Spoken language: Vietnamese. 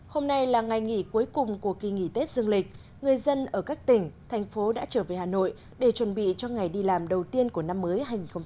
hôm nay là ngày nghỉ cuối cùng của kỳ nghỉ tết dương lịch người dân ở các tỉnh thành phố đã trở về hà nội để chuẩn bị cho ngày đi làm đầu tiên của năm mới hai nghìn hai mươi